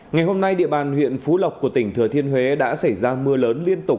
ngày hôm nay địa bàn huyện phú lộc của tỉnh thừa thiên huế đã xảy ra mưa lớn liên tục